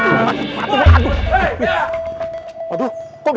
kenapa lari lari ya